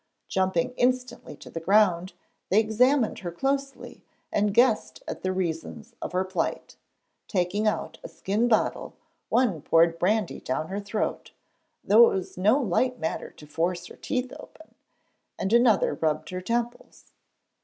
Jumping instantly to the ground, they examined her closely and guessed at the reasons of her plight. Taking out a skin bottle, one poured brandy down her throat though it was no light matter to force her teeth open and another rubbed her temples.